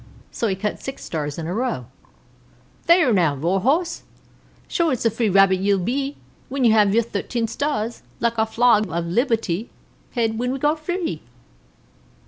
So he cut six stars in a row. "Thayer now, Warrhorrse, shure it's a free Rabbit ye'll be when ye have yer thirteen stars like our flag of liberty hed when we got free."